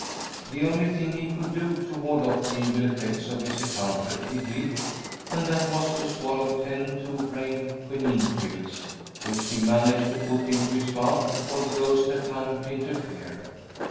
The only thing he could do to ward off the evil effects of his encounter he did, and that was to swallow ten two grain quinine pills, which he managed to put into his mouth before the ghost had time to interfere.